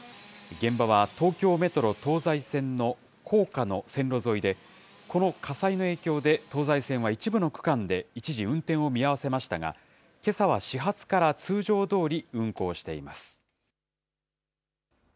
現場は東京メトロ東西線の高架の線路沿いで、この火災の影響で東西線は一部の区間で一時運転を見合わせましたが、けさは始発から通常どおり運行しています。